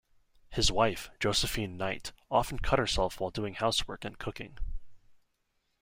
His wife, Josephine Knight, often cut herself while doing housework and cooking.